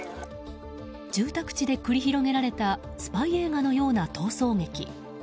住宅地で繰り広げられたスパイ映画のような逃走劇。